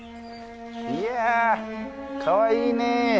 いやあかわいいねえ。